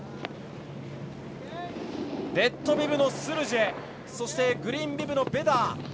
レッドビブのスルジェそして、グリーンビブのベダー。